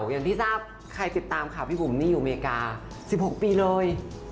อย่างที่ทราบใครติดตามข่าวพี่บุ๋มนี่อยู่อเมริกา๑๖ปีเลย